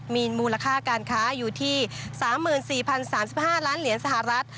มีมูลค่าการค้าอยู่ที่๓๔๐๓๕ล้านเหรียญสหรัฐ